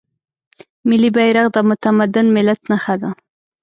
ملي بیرغ د متمدن ملت نښه ده.